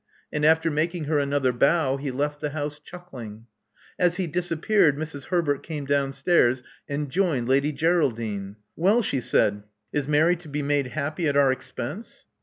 And after making her another bow, he left the house chuckling. As he disappeared, Mrs. Herbert came downstairs and joined Lady Geraldine. Well," she said. Is Mary to be made happy at our expense?"